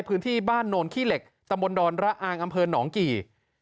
พื้นที่บ้านโนนขี้เหล็กตำบลดอนระอางอำเภอหนองกี่